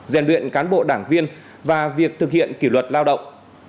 rèn luyện cán bộ đảng viên và việc thực hiện kỷ luật lao động